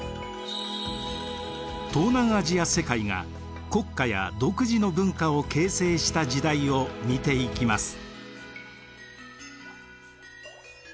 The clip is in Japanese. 東南アジア世界が国家や独自の文化を形成した時代を見ていきます。